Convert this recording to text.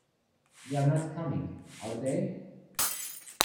They're not coming, are they?